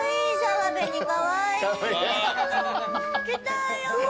来たよ。